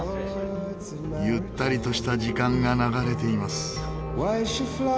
ゆったりとした時間が流れています。